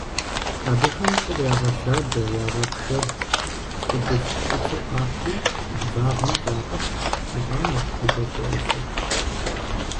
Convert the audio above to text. Абыхэм щӀыр ягъэщабэ, ягъэпшэр, щӀыгулъ фӀыцӀэ къахьри вагъэм тракъухь, итӀанэщ жылэ щасэр.